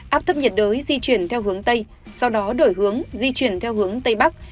áp thấp nhiệt đới di chuyển theo hướng tây sau đó đổi hướng di chuyển theo hướng tây bắc